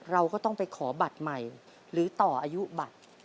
เราก็ต้องไปขอบัตรใหม่หรือต่ออายุบัตร